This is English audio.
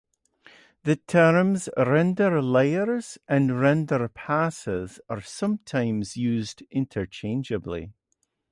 The terms "render layers" and "render passes" are sometimes used interchangeably.